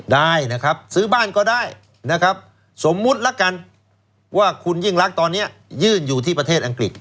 ได้นะครับซื้อบ้านก็ได้นะครับสมมุติละกันว่าคุณยิ่งรักตอนนี้ยื่นอยู่ที่ประเทศอังกฤษ